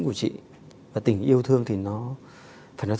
hãy cho tôi đừng trả lời câu hỏi này